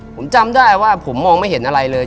ผมจำได้ว่าผมมองไม่เห็นอะไรเลย